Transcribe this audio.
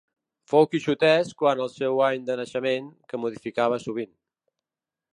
Fou quixotesc quant al seu any de naixement, que modificava sovint.